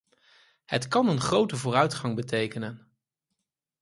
Het kan een grote vooruitgang betekenen.